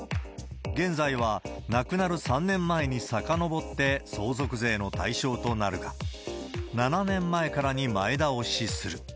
現在は、亡くなる３年前にさかのぼって相続税の対象となるが、７年前からに前倒しする。